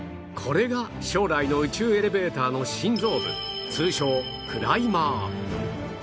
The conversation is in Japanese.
これが将来の宇宙エレベーターの心臓部通称クライマー